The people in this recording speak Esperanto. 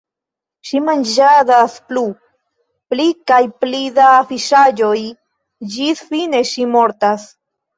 Ŝi manĝadas plu, pli kaj pli da fiŝaĵoj, ĝis fine ŝi – mortas.